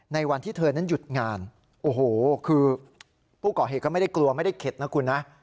ในวันที่เธอนั้นหยุดงานโอ้โหคือผู้ก่อเหตุก็ไม่ได้กลัวไม่ได้เข็ดนะคุณนะ